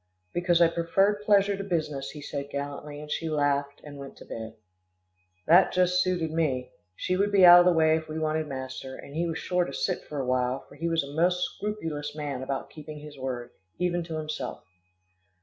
"Because I preferred pleasure to business," he said gallantly, and she laughed, and went to bed. That just suited me. She would be out of the way if we wanted master, and he was sure to sit for a while, for he was a most scrupulous man about keeping his word, even to himself.